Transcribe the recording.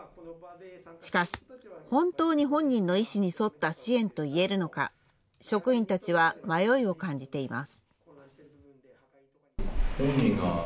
しかし、本当に本人の意思に沿った支援といえるのか、職員たちは迷いを感じています。